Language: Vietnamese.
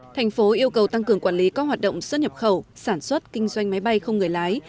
thành phố yêu cầu tăng cường quản lý các hoạt động xuất nhập khẩu sản xuất kinh doanh máy bay không người lái